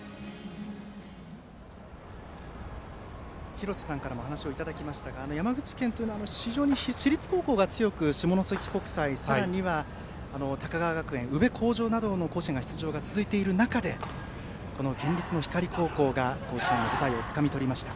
廣瀬さんからも話をいただきましたが山口県というのは非常に私立高校が強く下関国際、さらには高川学園宇部鴻城なども甲子園出場が続いている中で甲子園の舞台をつかみ取りました。